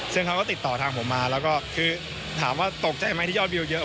ซึ่งเขาก็ติดต่อทางผมมาแล้วก็คือถามว่าตกใจไหมที่ยอดวิวเยอะ